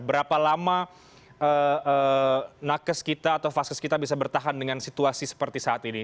berapa lama nakes kita atau vaskes kita bisa bertahan dengan situasi seperti saat ini